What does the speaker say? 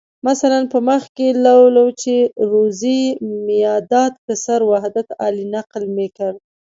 مثلاً په مخ کې لولو چې روزي میاداد پسر وحدت علي نقل میکرد.